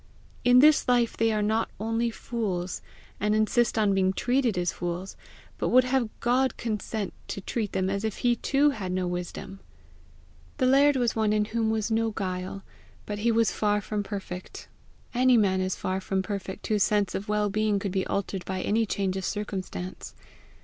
In this life they are not only fools, and insist on being treated as fools, but would have God consent to treat them as if he too had no wisdom! The laird was one in whom was no guile, but he was far from perfect: any man is far from perfect whose sense of well being could be altered by any change of circumstance.